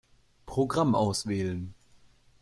Programm auswählen.